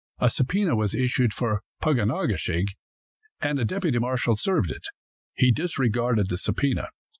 A subpoena was issued for Pug on a ke shig and a deputy marshal served it. He disregarded the subpoena.